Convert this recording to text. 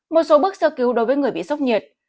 một số bước sơ cứu đối với người bị sốc nhiệt